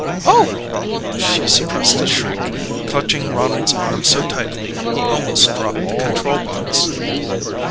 "Oh!" She suppressed a shriek, clutching Ronald's arm so tightly he almost dropped the control box.